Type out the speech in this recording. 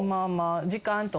時間とか。